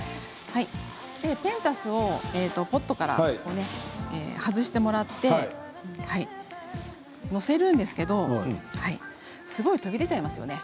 ペンタスをポットから外してもらって載せるんですけれどすごい飛び出ちゃいますね。